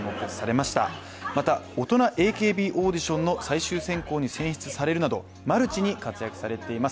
また、大人ＡＫＢオーディションの最終選考に選出されるなどマルチに活躍されています。